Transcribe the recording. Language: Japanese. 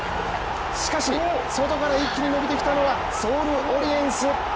しかし、外から一気に伸びてきたのはソールオリエンス。